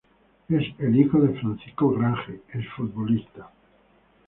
Él es el hijo de Francisco Grange, ex futbolista.